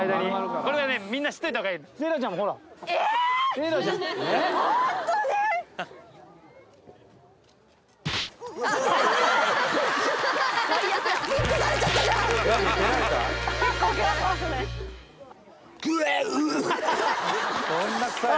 これがね、みんな知っておいたほうがいい。